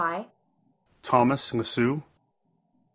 ..